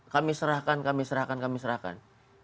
kami serahkan kami serahkan kami serahkan